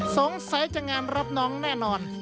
สงสัยจะงานรับน้องแน่นอน